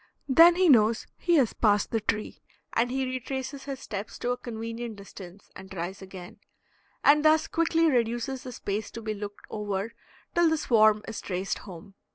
Then he knows he has passed the tree, and he retraces his steps to a convenient distance and tries again, and thus quickly reduces the space to be looked over till the swarm is traced home.